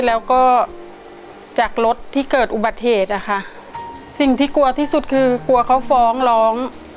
แล้วก็จากรถที่เกิดอุบัติเหตุอะค่ะสิ่งที่กลัวที่สุดคือกลัวเขาฟ้องร้อง